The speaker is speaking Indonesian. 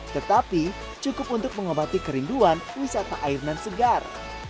tetapi cukup untuk mengobati kerinduan wisata air nan segar